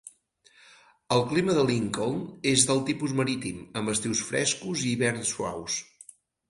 El clima de Lincoln és del tipus marítim, amb estius frescos i hiverns suaus.